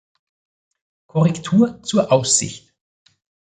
Korrektur zur Aussicht